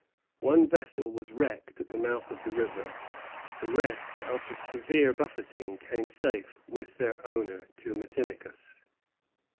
One vessel was wrecked at the mouth of the river; the rest, after severe buffeting, came safe, with their owner, to Matinicus.